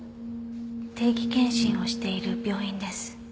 定期健診をしている病院です。